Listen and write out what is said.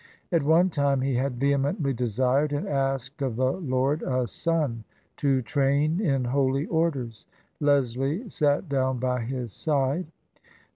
At one time he had vehemently desired and asked of the Lord a son to train in Holy Orders. Leslie sat down by his side.